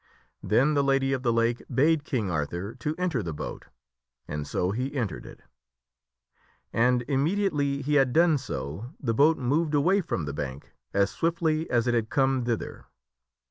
Then the Lady of the Lake bade King Arthur to enter the boat, and so he entered it. And immediately he had done so, the boat moved away from the bank as swiftly as it had come thither.